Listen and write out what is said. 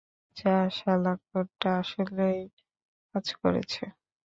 যাহ শালার, কোডটা আসলেই কাজ করেছে।